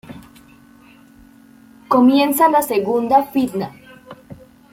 Comienza la segunda Fitna.